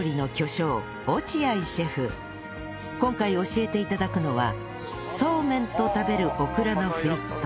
今回教えていただくのは